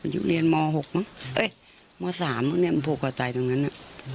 อยู่เรียนมอ๖หรือเอ๊ะมอ๓หมดเนี้ยมันโผล่ตายตรงนั้นน่ะ